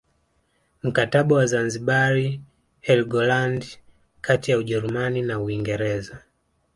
Mkataba wa Zanzibar Helgoland kati ya Ujerumani na Uingereza